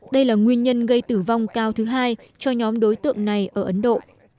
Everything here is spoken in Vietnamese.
đây là nguyên nhân gây tử vong cao thứ hai cho nhóm đối tượng này ở ấn độ